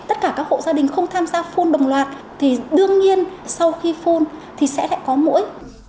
tất cả các hộ gia đình không tham gia phun đồng loạt thì đương nhiên sau khi phun thì sẽ lại có mũi